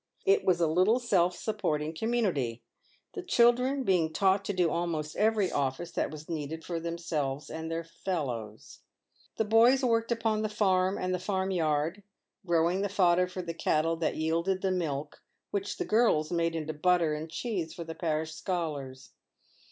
It was a little self supporting community, the children being taught to do almost every office that was needed for themselves and their fellows. The boys worked upon the farm and the farm yard, growing the fodder for the cattle that yielded the milk, which the girls made into butter and cheese for the parish scholars.